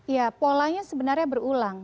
ya polanya sebenarnya berulang